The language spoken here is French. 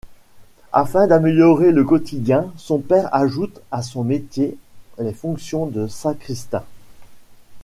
Afin d’améliorer le quotidien, son père ajoute à son métier les fonctions de sacristain.